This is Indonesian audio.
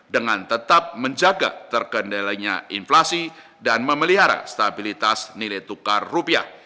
dengan tetap menjaga terkendalinya inflasi dan memelihara stabilitas nilai tukar rupiah